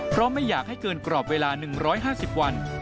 เพราะไม่อยากให้เกินกรอบเวลา๑๕๐วัน